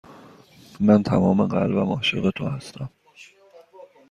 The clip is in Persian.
من تمام قلبم عاشق تو هستم.